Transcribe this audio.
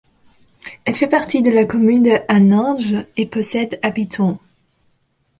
Elle fait partie de la commune de Haninge et possède habitants.